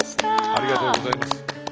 ありがとうございます。